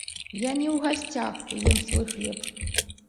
Я не ў гасцях, ем свой хлеб.